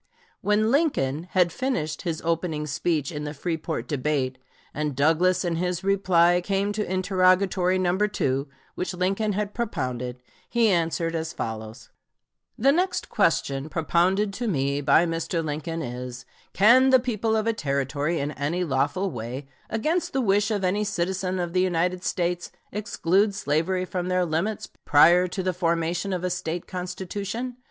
When Lincoln had finished his opening speech in the Freeport debate, and Douglas in his reply came to interrogatory number two, which Lincoln had propounded, he answered as follows: Lincoln Douglas Debates, p. 95. The next question propounded to me by Mr. Lincoln is, Can the people of a Territory in any lawful way, against the wish of any citizen of the United States, exclude slavery from their limits, prior to the formation of a State constitution?